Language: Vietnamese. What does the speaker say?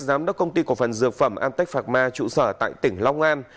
giám đốc công ty cổ phần dược phẩm amtech pharma trụ sở tại tỉnh long an